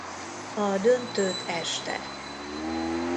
A döntőt este.